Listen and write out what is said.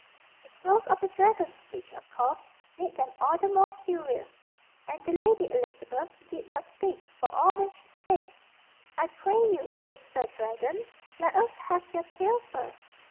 The close of the dragon's speech, of course, made them all the more curious; and the Lady Elizabeth did but speak for all when she said: "I pray you, good Sir Dragon, let us have your tale first.